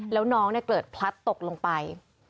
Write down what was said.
แล้วน้องเกิดพลัดตกลงไป